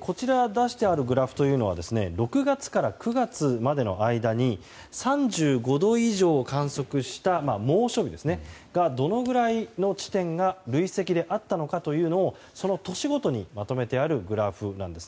こちらに出してあるグラフというのが６月から９月の間に３５度以上観測した猛暑日がどのくらいの地点が累積であったのかというのをその年ごとにまとめてあるグラフです。